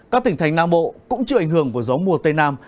các tỉnh thành nam bộ cũng chịu ảnh hưởng của gió mùa tây nam